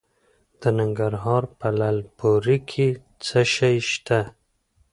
د ننګرهار په لعل پورې کې څه شی شته؟